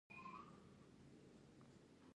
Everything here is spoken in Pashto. سیلانی ځایونه د افغانستان د طبیعت برخه ده.